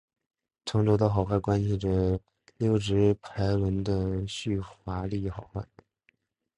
轴承的好坏关系着溜直排轮的续滑力好坏。